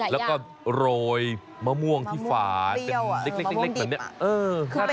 แล้วก็โรยมะม่วงที่ฝาเป็นเล็กแบบนี้